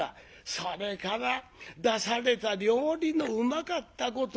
それから出された料理のうまかったこと。